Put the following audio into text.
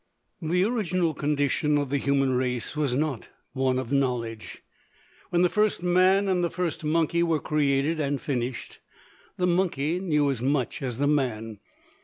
The original condition of the human race was not one of knowledge. When the first man and the first monkey were created and finished, the monkey knew as much as the man.